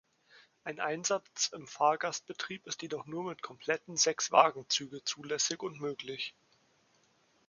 Ein Einsatz im Fahrgastbetrieb ist jedoch nur mit kompletten Sechswagenzüge zulässig und möglich.